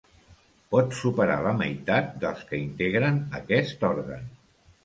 Pot superar la meitat dels que integren aquest òrgan.